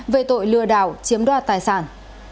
về tội lừa đảo chiếm đoạt tài sản